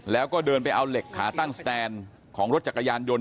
แล้วก็เดินไปเอาเหล็กขาตั้งสแตนของรถจักรยานยนต